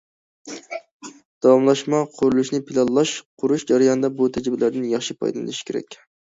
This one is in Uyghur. داۋاملاشما قۇرۇلۇشنى پىلانلاش، قۇرۇش جەريانىدا بۇ تەجرىبىلەردىن ياخشى پايدىلىنىش كېرەك.